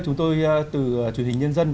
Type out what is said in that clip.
chúng tôi từ truyền hình nhân dân